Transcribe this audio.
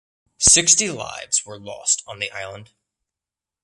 Sixty lives were lost on the island.